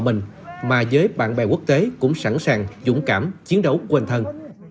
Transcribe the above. mình mà với bạn bè quốc tế cũng sẵn sàng dũng cảm chiến đấu quên thân